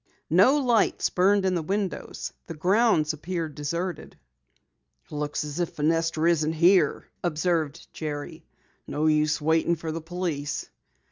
No lights burned in the windows. The grounds appeared deserted. "Looks as if Fenestra isn't here," observed Jerry. "No use waiting for the police."